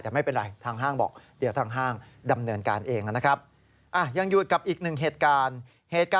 แต่ไม่เป็นไรทางห้างบอก